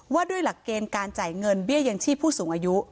ว่าด้วยหลักเกณฑ์การจ่ายเงินเบี้ยยังชีพผู้สูงอายุ